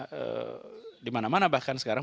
di semua di mana mana bahkan sekarang